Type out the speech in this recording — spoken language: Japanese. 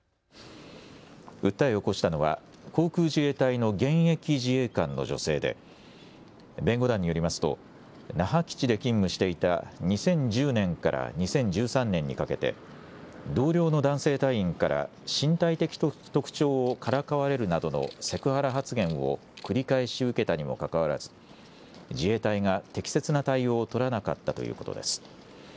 訴えを起こしたのは航空自衛隊の現役自衛官の女性で弁護団によりますと那覇基地で勤務していた２０１０年から２０１３年にかけて同僚の男性隊員から身体的特徴をからかわれるなどのセクハラ発言を繰り返し受けたにもかかわらず自衛隊が適切な対応を取らなかったということです。